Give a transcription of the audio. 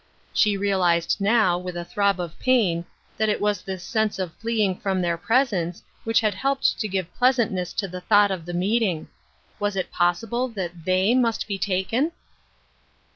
She realized, now, with a throb of pain, that it was this sense of fleeing from their pres ence which had helped to give pleasantness to the thought of the meeting. Was it possible that " thei/ " must be taken